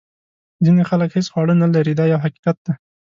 ځینې خلک هیڅ خواړه نه لري دا یو حقیقت دی.